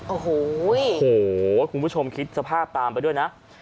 โอ้โหคุณผู้ชมคิดสภาพตามไปด้วยนะ